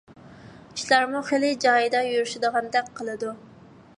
ئىشلارمۇ خېلى جايىدا يۈرۈشىدىغاندەك قىلىدۇ.